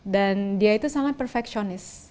dan dia itu sangat perfeksionis